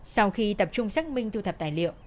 sau khi tập trung xác minh thu thập tài liệu